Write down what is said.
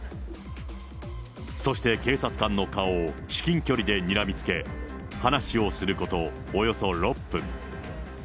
そして、警察官の顔を至近距離でにらみつけ、話をすることおよそ６分。